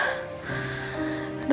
aku mau sembuh